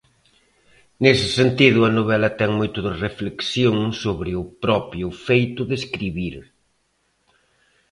Nese sentido, a novela ten moito de reflexión sobre o propio feito de escribir.